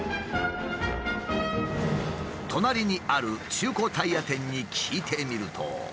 隣にある中古タイヤ店に聞いてみると。